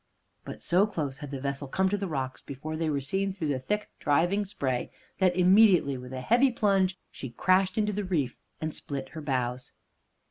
But so close had the vessel come to the rocks before they were seen through the thick driving spray, that immediately, with, a heavy plunge, she crashed into the reef, and split her bows.